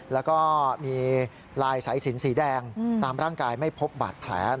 แล้วก็มีลายสายสินสีแดงตามร่างกายไม่พบบาดแผล